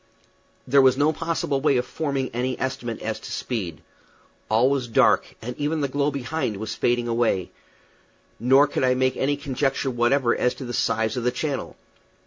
There was no possible way of forming any estimate as to speed. All was dark, and even the glow behind was fading away; nor could I make any conjecture whatever as to the size of the channel.